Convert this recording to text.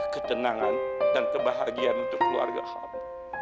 ketenangan dan kebahagiaan untuk keluarga ham